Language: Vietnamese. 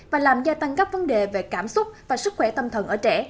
và làm gia tăng các vấn đề về cảm xúc và sức khỏe tâm thần ở trẻ